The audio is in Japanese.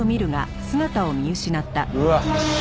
うわっ。